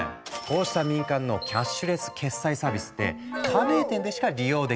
こうした民間のキャッシュレス決済サービスって加盟店でしか利用できない。